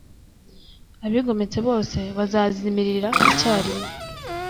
Abigometse bose bazazimirira icyarimwe